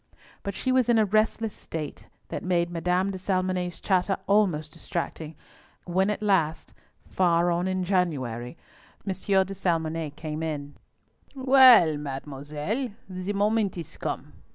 But she was in a restless state that made Madame de Salmonnet's chatter almost distracting, when at last, far on in January, M. de Salmonnet came in. "Well, mademoiselle, the moment is come.